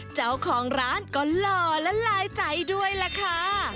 เจ้าของร้านก็หล่อและลายใจด้วยล่ะค่ะ